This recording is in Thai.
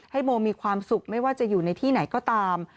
โมมีความสุขไม่ว่าจะอยู่ในที่ไหนก็ตาม